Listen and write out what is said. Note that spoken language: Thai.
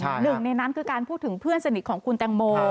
หนึ่งในนั้นคือการพูดถึงเพื่อนสนิทของคุณแตงโม